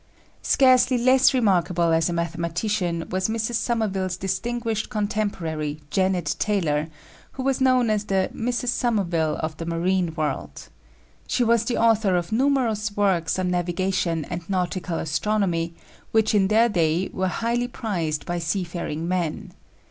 Scarcely less remarkable as a mathematician was Mrs. Somerville's distinguished contemporary, Janet Taylor, who was known as the "Mrs. Somerville of the Marine World." She was the author of numerous works on navigation and nautical astronomy which in their day were highly prized by seafaring men.